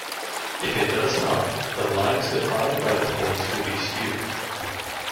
If it does not, the lines defined by the points will be skew.